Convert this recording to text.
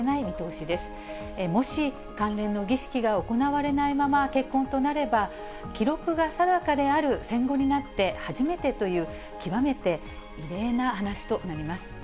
もし関連の儀式が行われないまま結婚となれば、記録が定かである戦後になって初めてという、極めて異例な話となります。